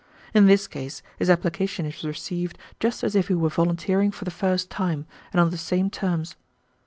In this case his application is received just as if he were volunteering for the first time, and on the same terms.